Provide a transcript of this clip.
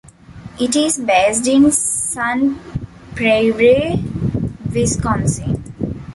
It is based in Sun Prairie, Wisconsin.